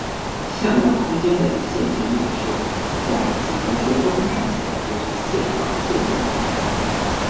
向量空间的线性映射在几何学中看起来就是线到线的映射。